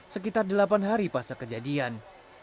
sekitar delapan hari pasca kejadian